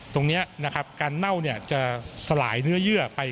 ตรงนี้นะครับการเน่าจะสลายเนื้อเยื่อไป